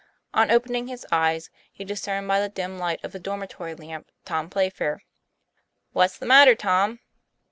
On opening his eyes, he discerned by the dim light of the dormitory lamp Tom Playfair. "What's the matter, Tom?"